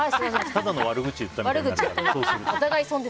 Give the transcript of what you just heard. ただの悪口言ったみたいになるから。